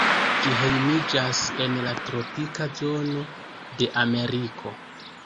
Ĝi hejmiĝas en la tropika zono de Ameriko.